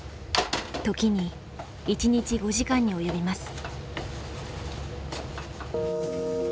時に１日５時間に及びます。